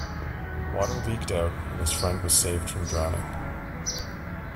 Water leaked out, and his friend was saved from drowning.